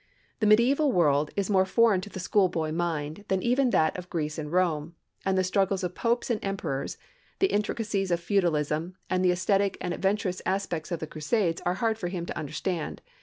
The medieval world is more foreign to the schoolboy mind than even that of Greece and Rome, and the struggles of popes and emperors, the intricacies of feudalism, and the ascetic and adventurous aspects of the Crusades are hard for him to understand.